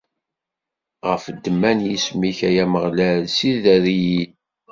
Ɣef ddemma n yisem-ik, ay Ameɣlal, ssider-iyi.